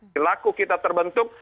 dilaku kita terbentuk